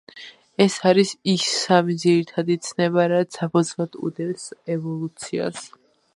ეს არის ის სამი ძირითადი ცნება, რაც საფუძვლად უდევს ევოლუციას.